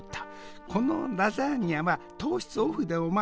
「このラザーニャは糖質オフでおま。